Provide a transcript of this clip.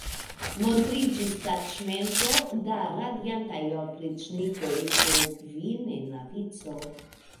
Montriĝis taĉmento da rajdantaj opriĉnikoj po kvin en la vico.